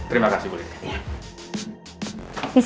terima kasih bu lydia